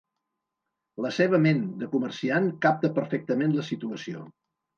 La seva ment de comerciant capta perfectament la situació.